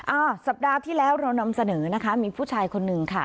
อ่าสัปดาห์ที่แล้วเรานำเสนอนะคะมีผู้ชายคนหนึ่งค่ะ